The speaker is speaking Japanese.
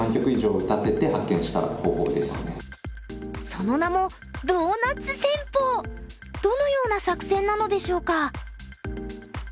その名もどのような作戦なのでしょうか？